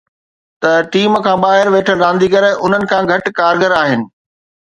ته ٽيم کان ٻاهر ويٺل رانديگر انهن کان گهٽ ڪارگر آهن.